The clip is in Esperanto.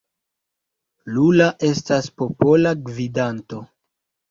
Lula estas popola gvidanto.